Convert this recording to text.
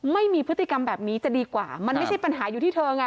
ไม่มีพฤติกรรมแบบนี้จะดีกว่ามันไม่ใช่ปัญหาอยู่ที่เธอไง